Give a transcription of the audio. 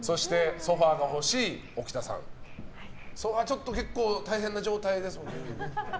ソファちょっと結構大変な状態ですね？